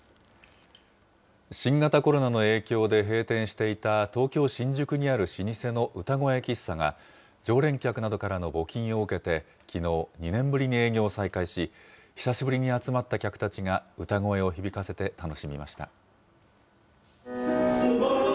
新型コロナの影響で閉店していた東京・新宿にある老舗の歌声喫茶が、常連客などからの募金を受けて、きのう、２年ぶりに営業を再開し、久しぶりに集まった客たちが歌声を響かせて楽しみました。